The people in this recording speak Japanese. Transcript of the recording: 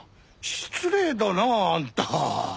失礼だなあんた。